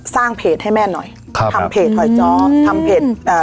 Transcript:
สร้างเพจให้แม่หน่อยครับทำเพจหอยจ้อทำเพจเอ่อ